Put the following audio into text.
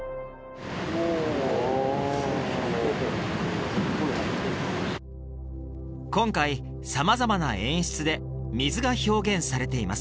おお今回様々な演出で水が表現されています